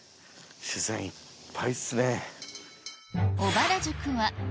自然いっぱいですね。